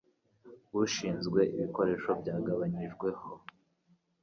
Ushinzwe ibikoresho byagabanyijwe ho